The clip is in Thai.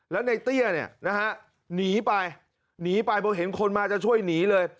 แล้วนายเตี้ยเนี่ยหนีไปเพราะเห็นคนมาจะช่วยหนีเลย